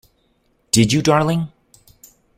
Did you, darling?